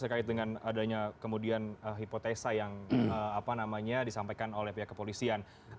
sekait dengan adanya kemudian hipotesa yang apa namanya disampaikan oleh pihak kepolisian